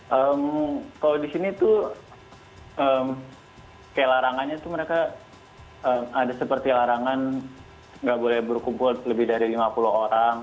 hmm kalau di sini tuh kayak larangannya tuh mereka ada seperti larangan nggak boleh berkumpul lebih dari lima puluh orang